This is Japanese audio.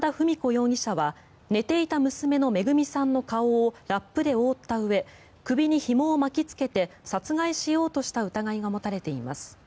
容疑者は寝ていた娘のめぐみさんの顔をラップで覆ったうえ首にひもを巻きつけて殺害しようとした疑いが持たれています。